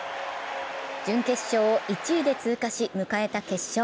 準決勝を１位で通過し迎えた決勝。